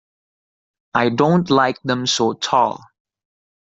I don't like them so tall.